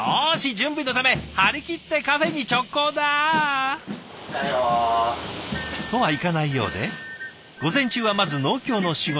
準備のため張り切ってカフェに直行だ！とはいかないようで午前中はまず農協の仕事から。